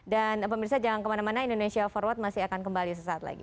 dan pemirsa jangan kemana mana indonesia forward masih akan kembali sesaat lagi